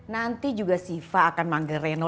nanti juga siva akan manggil reno